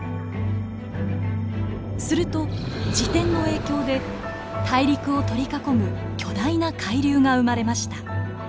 すると自転の影響で大陸を取り囲む巨大な海流が生まれました。